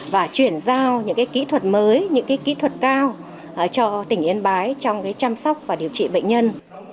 và chuyển giao những kỹ thuật mới những kỹ thuật cao cho tỉnh yên bái trong chăm sóc và điều trị bệnh nhân